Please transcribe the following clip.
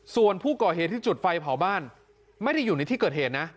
ส่วนผู้ก่อเหตุที่จุดไฟเผาบ้านไม่ได้อยู่ในที่เกิดเหตุนะ